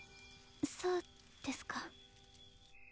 そうですか。